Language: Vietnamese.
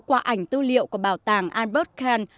qua ảnh tư liệu của bảo tàng albert kahn